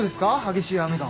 激しい雨が。